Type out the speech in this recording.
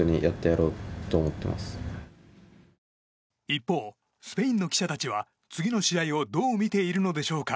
一方、スペインの記者たちは次の試合をどう見ているのでしょうか？